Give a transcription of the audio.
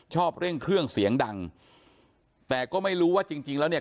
เร่งเครื่องเสียงดังแต่ก็ไม่รู้ว่าจริงจริงแล้วเนี่ย